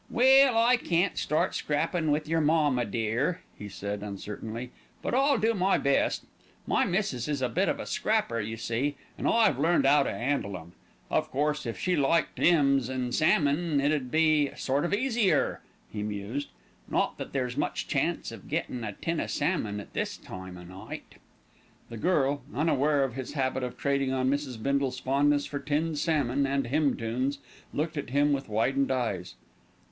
"Well, I can't start scrappin' with your ma, my dear," he said uncertainly; "but I'll do my best. My missis is a bit of a scrapper, you see, an' I've learned 'ow to 'andle 'em. Of course, if she liked 'ymns an' salmon, it'd be sort of easier," he mused, "not that there's much chance of gettin' a tin' o' salmon at this time o' night." The girl, unaware of his habit of trading on Mrs. Bindle's fondness for tinned salmon and hymn tunes, looked at him with widened eyes.